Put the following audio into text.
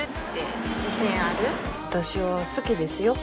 私は好きですよ。